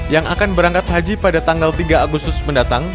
yang akan berangkat haji pada tanggal tiga agustus mendatang